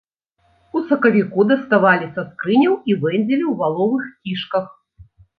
У сакавіку даставалі са скрыняў і вэндзілі ў валовых кішках.